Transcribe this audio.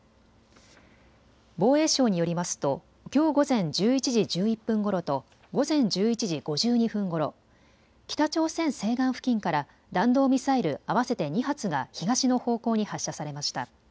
防衛省によりますときょう午前１１時１１分ごろと午前１１時５２分ごろ、北朝鮮西岸付近から弾道ミサイル合わせて２発が東の方向に発射されました。